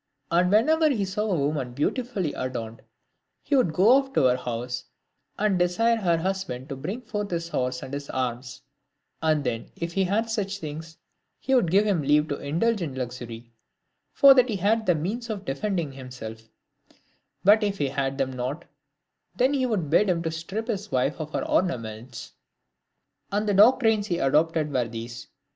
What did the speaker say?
And whenever he saw a woman beautifully adorned, he would go off to her house, and desire her husband to bring forth his horse and his arms ; and then if he had such things, he would give him leave to indulge in luxury, for that he had the means of defending himself ; but if he had them not, then he would bid him strip his wife of her ornaments. V. And the doctrines he adopted were these.